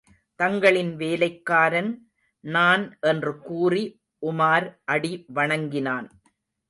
தங்களின் வேலைக்காரன் நான் என்று கூறி உமார் அடி வணங்கினான்.